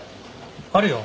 あるよ。